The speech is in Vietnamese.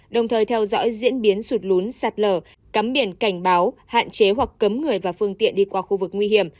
đồng thời theo dõi diễn biến sụt lún sạt lở cắm biển cảnh báo hạn chế hoặc cấm người và phương tiện đi qua khu vực nguy hiểm